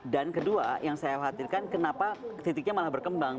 dan kedua yang saya khawatirkan kenapa titiknya malah berkembang